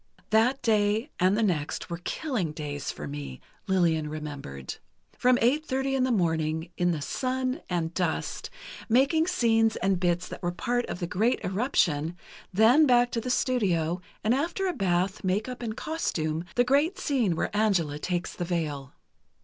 "That day, and the next, were killing days for me." Lillian remembered. "From eight thirty in the morning, in the sun and dust, making scenes and bits that were a part of the great eruption; then back to the studio, and after a bath, make up and costume, the great scene where Angela takes the veil.